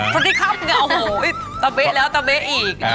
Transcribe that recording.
สวัสดีครับโอ้โหตะเบ๊ะแล้วตะเบ๊ะอีก